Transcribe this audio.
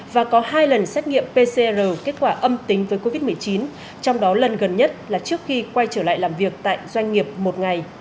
và có hai lần xét nghiệm pcr kết quả âm tính với covid một mươi chín trong đó lần gần nhất là trước khi quay trở lại làm việc tại doanh nghiệp một ngày